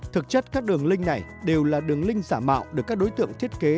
thực chất các đường link này đều là đường link giả mạo được các đối tượng thiết kế